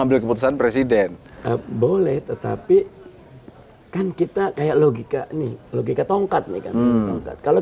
ambil keputusan presiden boleh tetapi kan kita kayak logika nih logika tongkat nih kan tongkat kalau